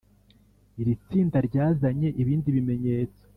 Irindi tsinda ryazanye ibindi bimenyetso